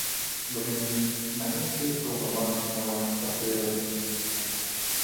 Los finlandeses conformaron una buena parte de los miembros inmigrantes.